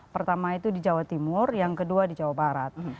pertama itu di jawa timur yang kedua di jawa barat